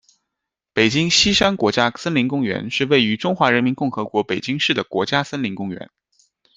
北京西山国家森林公园是位于中华人民共和国北京市的国家森林公园。